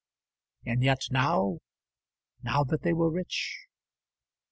And yet now, now that they were rich